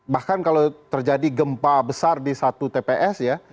bahkan kalau terjadi gempa besar di satu tps ya